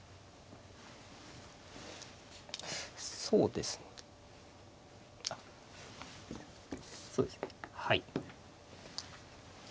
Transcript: そうですねはい。